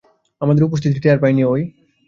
আমাদের উপস্থিতি টের পায়নি।